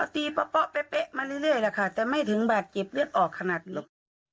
ตีป่อเป๊ะมาเรื่อยแหละค่ะแต่ไม่ถึงบาทเก็บเลี้ยงออกขนาดหลบ